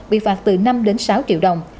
bị phạt từ năm đến sáu triệu đồng